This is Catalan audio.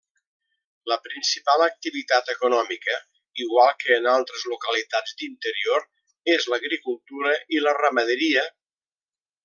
La principal activitat econòmica, igual que en altres localitats d'interior, és l'agricultura i la ramaderia.